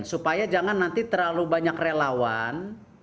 supaya jangan nanti terlalu banyak relawan